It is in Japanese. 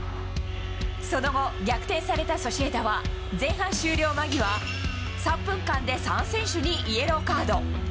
その後、逆転されたソシエダは、前半終了間際、３分間で３選手にイエローカード。